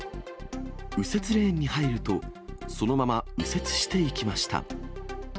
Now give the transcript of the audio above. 右折レーンに入ると、そのまま右折していきました。